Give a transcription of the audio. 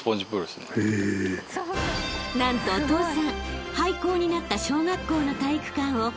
［何とお父さん］